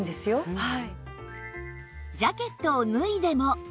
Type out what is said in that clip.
はい。